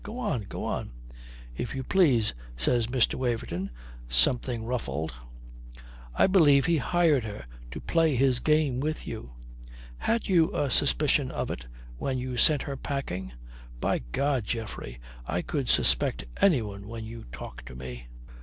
Go on, go on." "If you please," says Mr. Waverton, something ruffled. "I believe he hired her to play his game with you. Had you a suspicion of it when you sent her packing?" "By God, Geoffrey, I could suspect anyone when you talk to me."